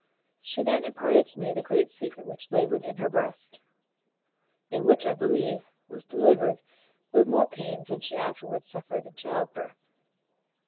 She then imparted to me the great secret which laboured in her breast, and which, I believe, was delivered with more pains than she afterwards suffered in child birth.